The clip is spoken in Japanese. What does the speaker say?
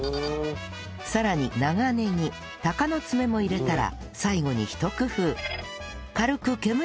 さらに長ネギ鷹の爪も入れたら最後にひと工夫